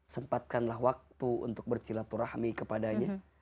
sempatkanlah waktu untuk bersilaturahmi kepadanya